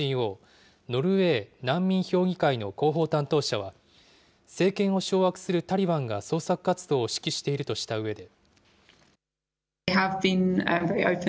ノルウェー難民評議会の広報担当者は、政権を掌握するタリバンが捜索活動を指揮しているとしたうえで。